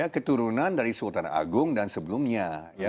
keturunan dari sultan agung dan sebelumnya